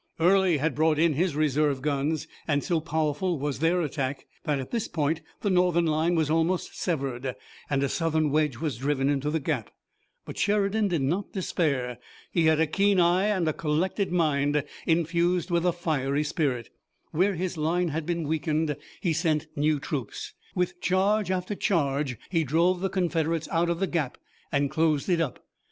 Early had brought in his reserve guns, and so powerful was their attack that at this point the Northern line was almost severed, and a Southern wedge was driven into the gap. But Sheridan did not despair. He had a keen eye and a collected mind, infused with a fiery spirit. Where his line had been weakened he sent new troops. With charge after charge he drove the Confederates out of the gap and closed it up.